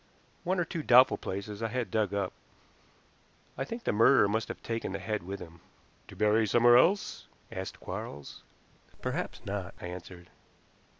"One or two doubtful places I had dug up. I think the murderer must have taken the head with him." "To bury somewhere else?" asked Quarles. "Perhaps not," I answered.